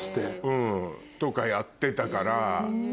うん。とかやってたから。